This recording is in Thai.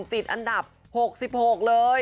ติดอันดับ๖๖เลย